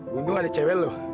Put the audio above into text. bundung ada cewek lu